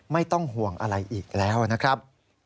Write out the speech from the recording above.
ไม่ต้องห่วงอะไรอีกแล้วนะครับ